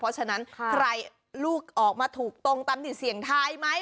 เพราะฉะนั้นใครลูกออกมาถูกตรงตามที่เสี่ยงทายไหม